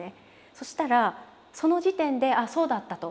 そしたらその時点で「ああそうだった」と。